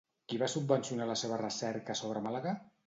Qui va subvencionar la seva recerca sobre Màlaga?